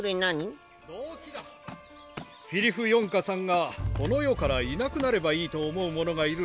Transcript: フィリフヨンカさんがこの世からいなくなればいいと思う者がいるなんて